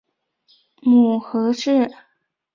母何氏。